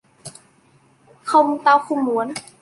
Không Tao không muốn